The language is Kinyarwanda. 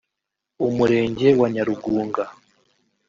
Umurenge wa Nyarugunga